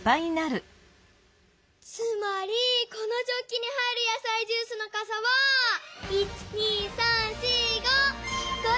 つまりこのジョッキに入るやさいジュースのかさは１２３４５！